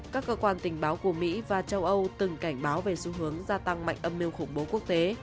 các cơ quan tình báo của mỹ và châu âu từng cảnh báo về xu hướng gia tăng mạnh âm mưu khủng bố quốc tế